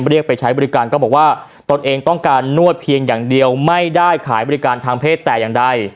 เรียกไปใช้บริการก็บอกว่าตนเองต้องการนวดเพียงอย่างเดียวไม่ได้ขายบริการทางเพศแต่อย่างใด